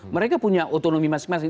mereka punya otonomi masing masing